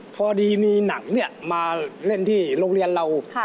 พอดีมีหนังมาเล่นที่โรงเรียนเรา